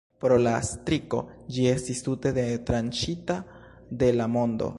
Pro la striko ĝi estis tute detranĉita de la mondo.